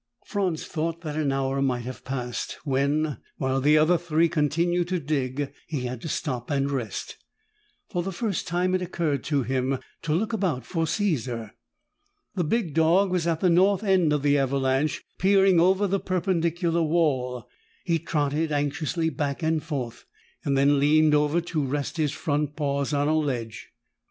Franz thought that an hour might have passed when, while the other three continued to dig, he had to stop and rest. For the first time, it occurred to him to look about for Caesar. The big dog was at the north end of the avalanche, peering over the perpendicular wall. He trotted anxiously back and forth, then leaned over to rest his front paws on a ledge.